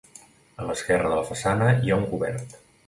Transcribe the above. A l'esquerra de la façana hi ha un cobert.